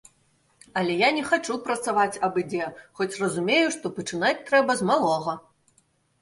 Але я не хачу працаваць абы-дзе, хоць разумею, што пачынаць трэба з малога.